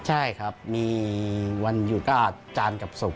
ใช่ครับมีวันหยุดก็อาจจานกับสุก